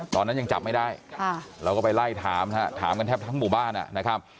ตอนนั้นยังจับไม่ได้เราก็ไปไล่ถามฮะถามกันแทบทั้งหมู่บ้านนะครับ